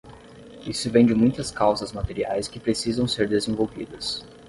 Isso vem de muitas causas materiais que precisam ser desenvolvidas.